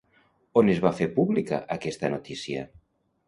On es va fer pública aquesta notícia?